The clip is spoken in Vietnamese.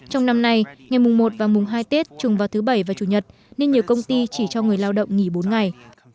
trong năm nay ngày mùng một và mùng hai tết trùng vào thứ bảy và chủ nhật nên nhiều công ty chỉ cho người lao động nghỉ bốn ngày